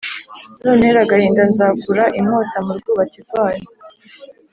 Nuntera agahinda Nzakura inkota murwubati rwayo